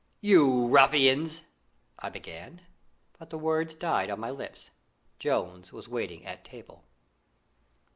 "You ruffians!" I began; but the words died on my lips. Jones was waiting at table.